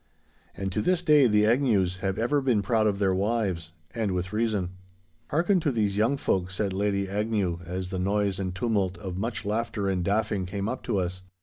And to this day the Agnews have ever been proud of their wives. And with reason. 'Hearken to these young folk,' said Lady Agnew, as the noise and tumult of much laughter and daffing came up to us.